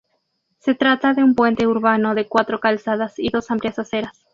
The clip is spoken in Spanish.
Se trata de un puente urbano de cuatro calzadas y dos amplias aceras.